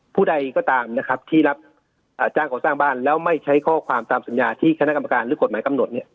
ผู้ใดก็ตามนะครับที่รับจ้างก่อสร้างบ้านแล้วไม่ใช้ข้อความตามสัญญาที่คณะกรรมการหรือกฎหมายกำหนด